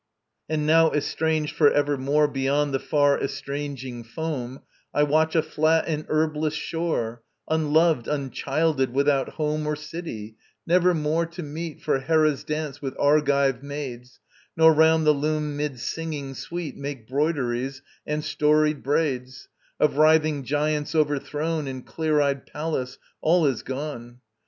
And now estranged for evermore Beyond the far estranging foam I watch a flat and herbless shore, Unloved, unchilded, without home Or city: never more to meet For Hera's dance with Argive maids, Nor round the loom 'mid singing sweet Make broideries and storied braids, Of writhing giants overthrown And clear eyed Pallas ... All is gone!